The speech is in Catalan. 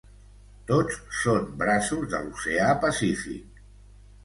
Tots són braços de l'oceà Pacífic.